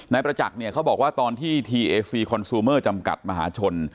ประจักษ์เนี่ยเขาบอกว่าตอนที่ทีเอซีคอนซูเมอร์จำกัดมหาชน